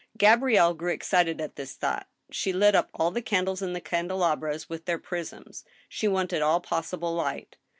Gabrielle grew excited at this thought ; she lit up all the candles in the candelabras with their prisms. She wanted all possible light.